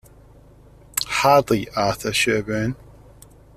Hardy, Arthur Sherburne.